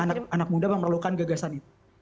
nah anak muda memang memerlukan gagasan itu